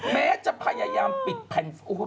แม้จะพยายามปิดแผ่น